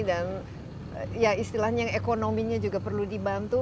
dan ya istilahnya ekonominya juga perlu dibantu